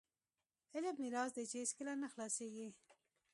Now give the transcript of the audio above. علم میراث دی چې هیڅکله نه خلاصیږي.